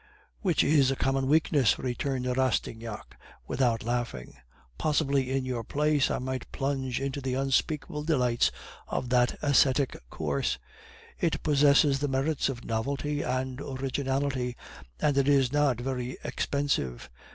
"'Which is a common weakness,' returned Rastignac without laughing. 'Possibly in your place I might plunge into the unspeakable delights of that ascetic course; it possesses the merits of novelty and originality, and it is not very expensive.